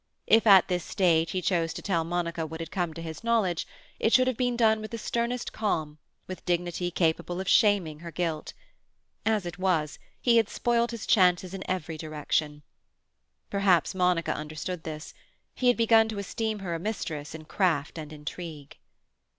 If at this stage he chose to tell Monica what had come to his knowledge, it should have been done with the sternest calm, with dignity capable of shaming her guilt. As it was, he had spoilt his chances in every direction. Perhaps Monica understood this; he had begun to esteem her a mistress in craft and intrigue.